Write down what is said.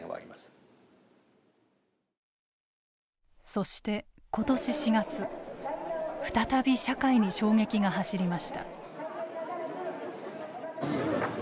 そして、今年４月再び社会に衝撃が走りました。